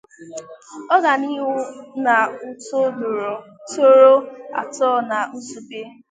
ọganihu na udo tọrọ àtọ na Nsugbe.